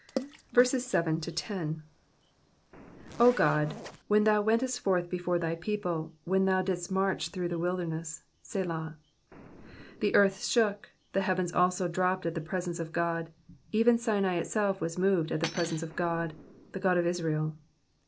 7 O God, when thou wentest forth before thy people, when thou didst march through the wilderness ; Selah : 8 The earth shook, the heavens also dropped at the presence of God : even Sinai itself was moved at the presence of God, the God of Israel.